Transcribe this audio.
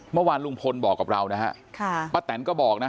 เมื่อวานลุงพลบอกกับเรานะฮะค่ะป้าแตนก็บอกนะ